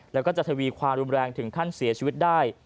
แล้วก็จะทวีความรุนแรงถึงขั้นเสียชีวิตได้